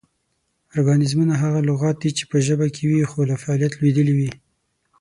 ارکانیزمونه: هغه لغات دي چې پۀ ژبه کې وي خو لۀ فعالیت لویدلي وي